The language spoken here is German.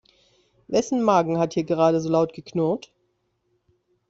Wessen Magen hat hier gerade so laut geknurrt?